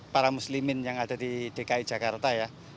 para muslimin yang ada di dki jakarta ya